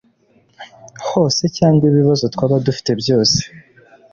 Hose cyangwa ibibazo twaba dufite byose